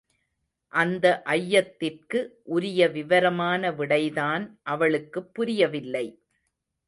அந்த ஐயத்திற்கு உரிய விவரமான விடைதான் அவளுக்குப் புரியவில்லை!